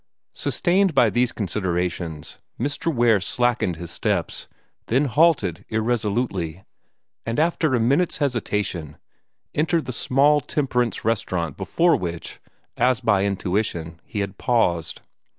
Sustained by these considerations, Mr. Ware slackened his steps, then halted irresolutely, and after a minute's hesitation, entered the small temperance restaurant before which, as by intuition, he had paused.